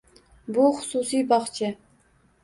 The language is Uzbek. — Bu xususiy bogʻcha.